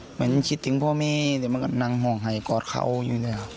เหมือนคิดถึงพ่อเมฆเหมือนกับนางห่องไห่กอดเขาอยู่นี่แหละ